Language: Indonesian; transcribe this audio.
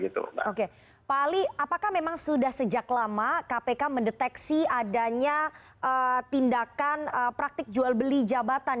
pak ali apakah memang sudah sejak lama kpk mendeteksi adanya tindakan praktik jual beli jabatan